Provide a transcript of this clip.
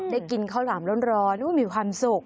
ได้กินข้าวหลามร้อนนึกว่ามีความสุข